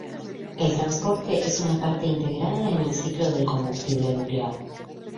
El transporte es una parte integrada en el ciclo del combustible nuclear.